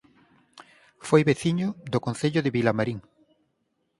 Foi veciño do Concello de Vilamarín